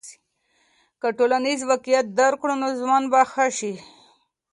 که ټولنیز واقعیت درک کړو نو ژوند به ښه سي.